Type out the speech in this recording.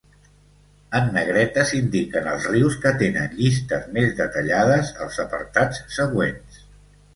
En negreta s'indiquen els rius que tenen llistes més detallades als apartats següents.